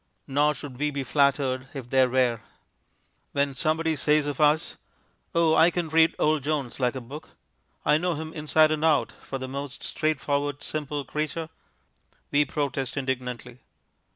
Nor should we be flattered if there were. When somebody says of us, "Oh, I can read old Jones like a book; I know him inside and out for the most straightforward, simple creature," we protest indignantly.